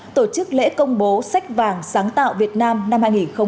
tổ chức lễ công bố sách vàng sáng tạo việt nam năm hai nghìn hai mươi một